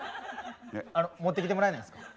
あの持ってきてもらえないんですか？